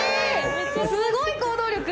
すごい行動力。